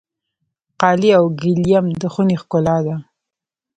قالي او ګلیم د خونې ښکلا ده.